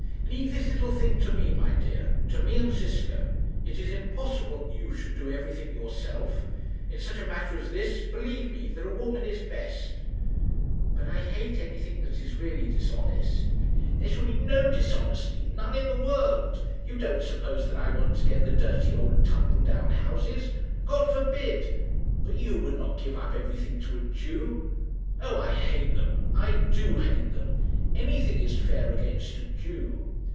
"Leave this little thing to me, my dear to me and Ziska. It is impossible that you should do everything yourself. In such a matter as this, believe me that a woman is best." "But I hate anything that is really dishonest." "There shall be no dishonesty none in the world. You don't suppose that I want to get the dirty old tumble down houses. God forbid! But you would not give up everything to a Jew! Oh, I hate them! I do hate them! Anything is fair against a Jew."